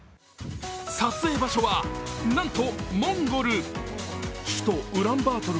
撮影場所は、なんとモンゴル。